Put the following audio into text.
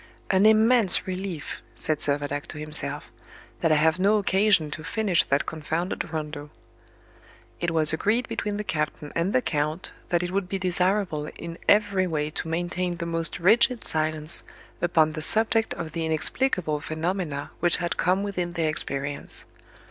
"An immense relief," said Servadac to himself, "that I have no occasion to finish that confounded rondo!" It was agreed between the captain and the count that it would be desirable in every way to maintain the most rigid silence upon the subject of the inexplicable phenomena which had come within their experience.